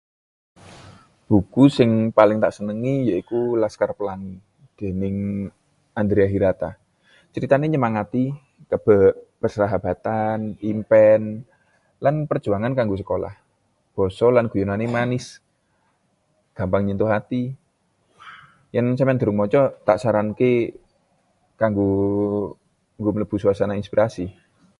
"Buku sing paling tak senengi yaiku ""Laskar Pelangi"" déning Andrea Hirata. Critané nyemangati, kebak persahabatan, impen, lan perjuangan kanggo sekolah. Basa lan guyonané manis, gampang nyentuh ati. Yen sampeyan durung maca, tak saranake kanggo nggo mlebu suasana inspirasi."